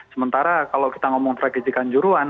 sementara kalau kita ngomong fragisikan juruan